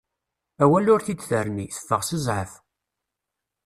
Awal ur t-id-terni, teffeɣ s zɛaf.